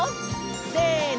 せの！